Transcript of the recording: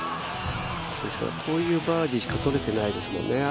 こういうバーディーしかとれてないですもんね。